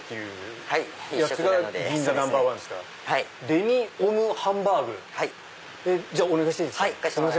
デミオムハンバーグじゃあお願いしていいですか。